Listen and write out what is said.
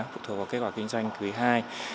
phụ thuộc vào kết quả kinh doanh quý hai